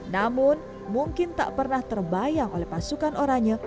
namun mungkin tak pernah terbayang oleh pasukan oranye